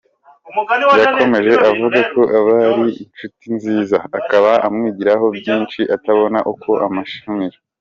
Yakomeje avuga ko ari inshuti nziza, akaba amwigiraho byinshi atabona uko amushimira.